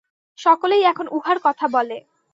সকলেই এখন উহার কথা বলে।